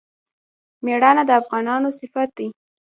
میړانه د افغانانو صفت دی.